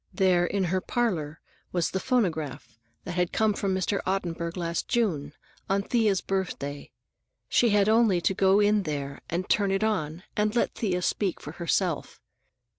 There, in her parlor, was the phonograph that had come from Mr. Ottenburg last June, on Thea's birthday; she had only to go in there and turn it on, and let Thea speak for herself.